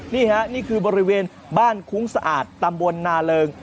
นี่ค่ะนี่คือบริเวณบ้านคุ้งสะอาดตำบลนาเริง